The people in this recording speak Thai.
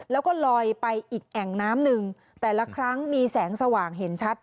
แล้วก็ลอยไปอีกแอ่งน้ำหนึ่งแต่ละครั้งมีแสงสว่างเห็นชัด